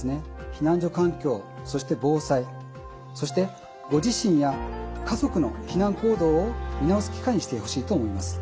避難所環境そして防災そしてご自身や家族の避難行動を見直す機会にしてほしいと思います。